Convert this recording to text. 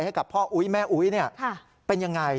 ให้กับพ่ออุ๊ยแม่อุ๊ยเป็นยังไง